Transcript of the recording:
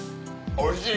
おいしい。